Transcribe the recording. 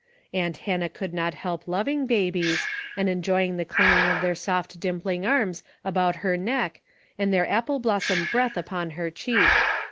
Aunt Hannah could not help loving babies, and enjoying the clinging of their soft dimpling arms about her neck and their apple blossom breath upon her cheek.